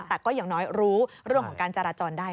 แต่ก็อย่างน้อยรู้เรื่องของการจราจรได้